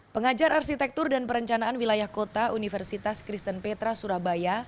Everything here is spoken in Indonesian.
pengajar arsitektur dan perencanaan wilayah kota universitas kristen petra surabaya